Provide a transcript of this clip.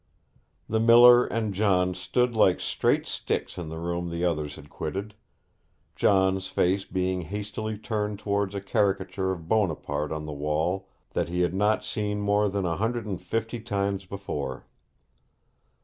The miller and John stood like straight sticks in the room the others had quitted, John's face being hastily turned towards a caricature of Buonaparte on the wall that he had not seen more than a hundred and fifty times before.